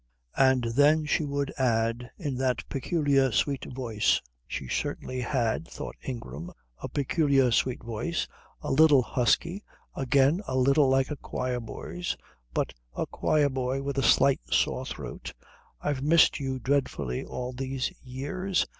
And then she would add in that peculiar sweet voice she certainly had, thought Ingram, a peculiar sweet voice, a little husky, again a little like a choir boy's, but a choir boy with a slight sore throat "I've missed you dreadfully all these years.